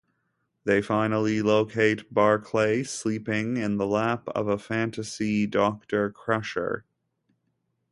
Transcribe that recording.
They finally locate Barclay sleeping in the lap of a fantasy Doctor Crusher.